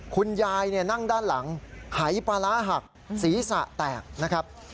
คุณยายนั่งด้านหลังหายปลาร้าหักศีรษะแตกนะครับ